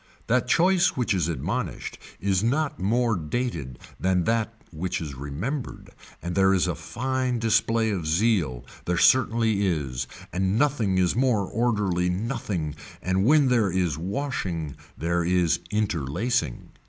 That choice which is admonished is not more dated than that which is remembered and there is a fine display of zeal there certainly is and nothing is more orderly nothing and when there is washing there is interlacing.